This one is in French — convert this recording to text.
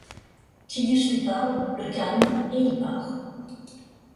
Tidus lui parle, le calme, et il part.